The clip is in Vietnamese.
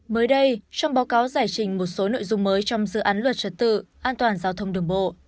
mới đây trong báo cáo giải trình một số nội dung mới trong dự án luật trật tự an toàn giao thông đường bộ